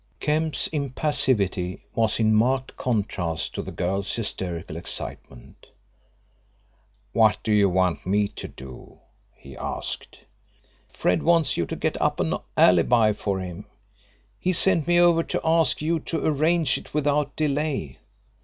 Kemp's impassivity was in marked contrast to the girl's hysterical excitement. "What do you want me to do?" he asked. "Fred wants you to get up an alibi for him. He sent me over to ask you to arrange it without delay.